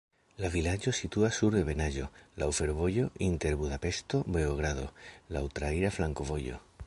La vilaĝo situas sur ebenaĵo, laŭ fervojo inter Budapeŝto-Beogrado, laŭ traira flankovojo.